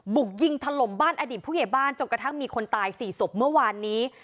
บุกยิงถล่มบ้านอดีตผู้ใหญ่บ้านจนกระทั่งมีคนตาย๔ศพเมื่อวานนี้